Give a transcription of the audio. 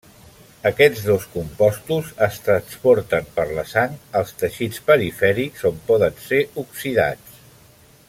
Aquests dos compostos es transporten per la sang als teixits perifèrics on poden ser oxidats.